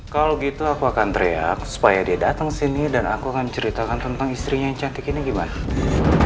kalau gitu aku akan teriak supaya dia datang ke sini dan aku akan ceritakan tentang istrinya yang cantik ini gimana